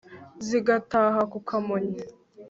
Zigataha ku Kamonyi.